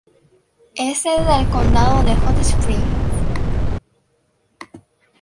Es sede del condado de Hot Springs.